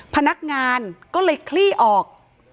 พนักงานก็เลยคลี่ออก